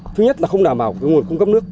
thứ nhất là không đảm bảo nguồn cung cấp nước